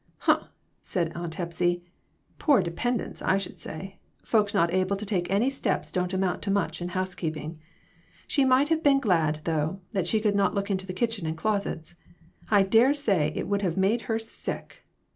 "Humph!" said Aunt Hepsy; "poor depend ence, I should say ; folks not able to take any steps don't amount to much in housekeeping. She might have been glad, though, that she could not look into her kitchen and closets ; I dare say it would have made her sick.